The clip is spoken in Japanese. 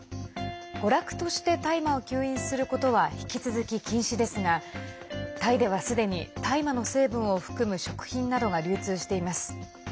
娯楽として大麻を吸引することは引き続き禁止ですがタイではすでに大麻の成分を含む食品などが流通しています。